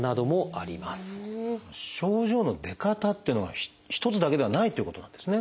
症状の出方っていうのは一つだけではないってことなんですね。